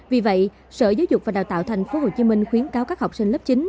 vì vậy sở giáo dục và đào tạo tp hcm khuyến cáo các học sinh lớp chín